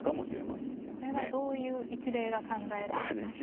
これはどういう一例が考えられますか。